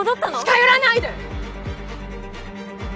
近寄らないで！